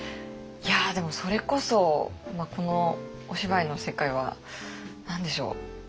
いやでもそれこそこのお芝居の世界は何でしょう。